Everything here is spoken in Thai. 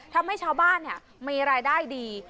ทำให้ชาวบ้านมีรายได้ดี